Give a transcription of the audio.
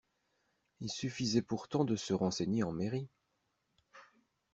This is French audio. Il suffisait pourtant de se renseigner en mairie.